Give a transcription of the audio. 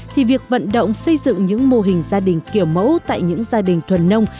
thì việc vận động xây dựng những mô hình gia đình kiểu mẫu tại những gia đình thuần nông